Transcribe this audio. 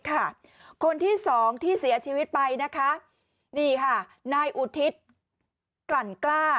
คนที่สองที่เสียชีวิตไปนะคะนี่ค่ะนายอุทิศกลั่นกล้า